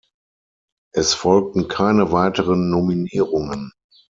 Es folgten keine weiteren Nominierungen.